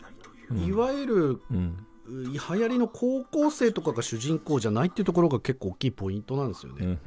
いわゆるはやりの高校生とかが主人公じゃないってところが結構大きいポイントなんですよね。